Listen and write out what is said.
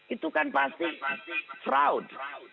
itu kan pasti fraud